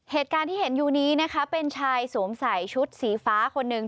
เหตุการณ์ที่เห็นอยู่นี้นะคะเป็นชายสวมใส่ชุดสีฟ้าคนหนึ่ง